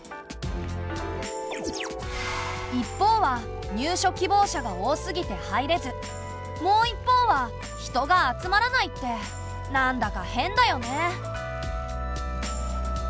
一方は入所希望者が多すぎて入れずもう一方は人が集まらないってなんだか変だよね。